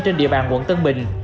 trên địa bàn quận tân bình